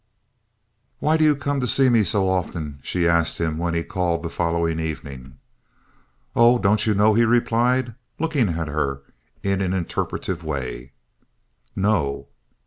"Why do you come to see me so often?" she asked him when he called the following evening. "Oh, don't you know?" he replied, looking at her in an interpretive way. "No."